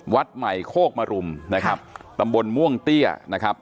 วัดใหม่โคกมรุมนะครับตำบลม่วงเตี้ยนะครับ